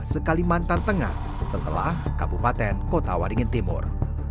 sekalimantan tengah setelah kabupaten kota waringin timur